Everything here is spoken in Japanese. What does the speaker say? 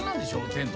テント。